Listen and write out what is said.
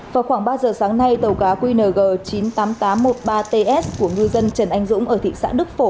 vào khoảng ba giờ sáng nay tàu cá qng chín mươi tám nghìn tám trăm một mươi ba ts của ngư dân trần anh dũng ở thị xã đức phổ